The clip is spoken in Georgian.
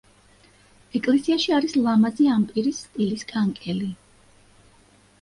ეკლესიაში არის ლამაზი ამპირის სტილის კანკელი.